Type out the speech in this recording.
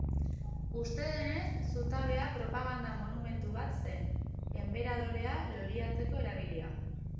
Uste denez, zutabea, propaganda monumentu bat zen, enperadorea loriatzeko erabilia.